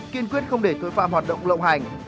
kiên quyết không để tội phạm hoạt động lộng hành